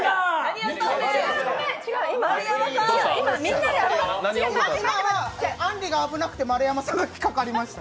今はあんりが危なくて、丸山さんが引っ掛かりました。